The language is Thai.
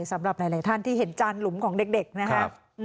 สำหรับหลายท่านที่เห็นจานหลุมของเด็กนะครับ